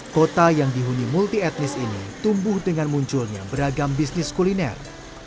kota yang dihuni multi etnis ini tumbuh dengan munculnya beragam bisnis kuliner